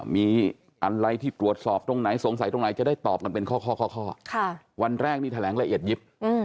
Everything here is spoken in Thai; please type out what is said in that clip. มีอะไรที่ตรวจสอบตรงไหนสงสัยตรงไหนจะได้ตอบกันเป็นข้อวันแรกนี่แถลงละเอียดยิบ